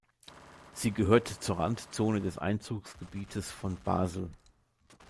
Sie gehört zur Randzone des Einzugsgebietes von Basel.